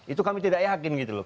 itu kami tidak yakin gitu loh